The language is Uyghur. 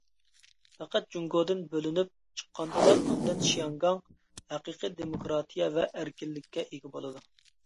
پەقەت جۇڭگودىن بۆلۈنۈپ چىققاندىلا، ئاندىن شياڭگاڭ ھەقىقىي دېموكراتىيە ۋە ئەركىنلىككە ئىگە بولىدۇ.